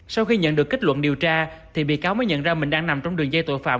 sau khi nhận được kết luận điều tra thì bị cáo mới nhận ra mình đang nằm trong đường dây tội phạm